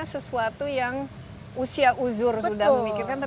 carpal tunnel syndrome kita sebutnya